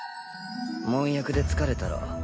門役で疲れたろ。